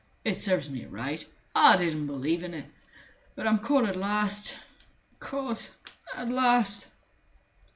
It serves me right. I didn't believe in it. But I'm caught at last ... caught ... at last!"